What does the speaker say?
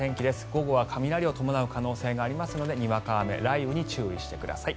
午後は雷を伴う可能性がありますのでにわか雨、雷雨に注意してください。